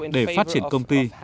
để phát triển công ty